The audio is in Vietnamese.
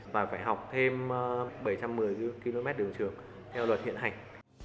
và phải học thêm bảy trăm một mươi km đường trường theo luật hiện hành